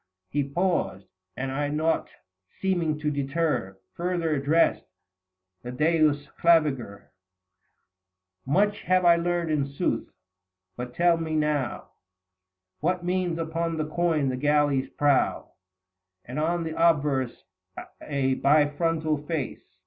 He paused, and I nought seeming to deter, Further addressed the Deus Claviger :" Much have I learned in sooth ; but tell me now 240 What means upon the coin the galley's prow, And on the obverse a bifrontal face